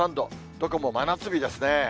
どこも真夏日ですね。